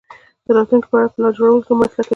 د راتلونکې په اړه پلان جوړولو کې مو مرسته کوي.